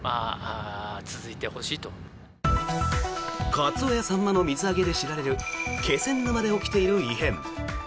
カツオやサンマの水揚げで知られる気仙沼で起きている異変。